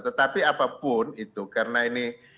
tetapi apapun itu karena ini